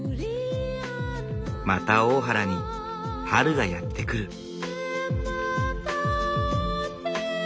また大原に春がやって来る。